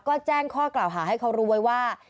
ก็แจ้งข้อกล่าวหาให้เขารู้ไว้ว่า